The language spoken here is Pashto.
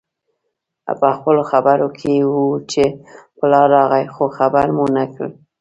پخپلو خبرو کې وو چې پلار راغی خو خبر مو نه کړ